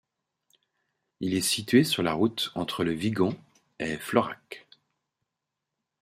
Il est situé sur la route entre Le Vigan et Florac.